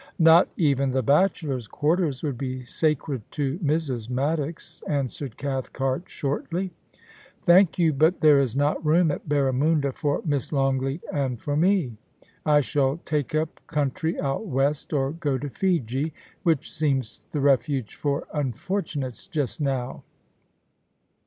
*Not even the Bachelors* Quarters would be sacred to Mrs. Maddox,* answered Cathcart, shortly. 'Thank you, but there is not room at Barramunda for Miss Longleat and for me. I shall take up country out west, or go to Fiji, which seems the refuge for unfortunates just now.'